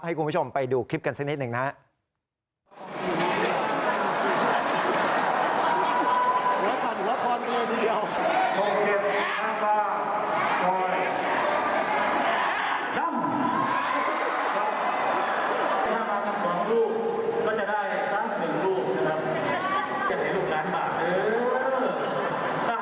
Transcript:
ให้คุณผู้ชมไปดูคลิปกันสักนิดหนึ่งนะครับ